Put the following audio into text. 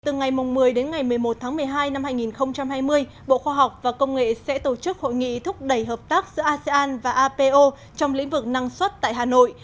từ ngày một mươi đến ngày một mươi một tháng một mươi hai năm hai nghìn hai mươi bộ khoa học và công nghệ sẽ tổ chức hội nghị thúc đẩy hợp tác giữa asean và apo trong lĩnh vực năng suất tại hà nội